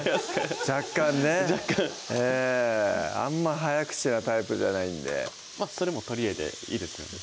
若干ね若干あんま早口なタイプじゃないんでそれもとりえでいいですよね